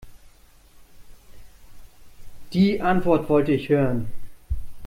Die Antwort wollte ich hören.